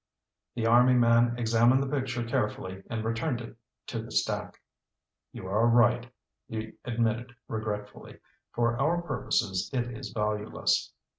The army man examined the picture carefully and returned it to the stack. "You are right," he admitted regretfully. "For our purposes it is valueless."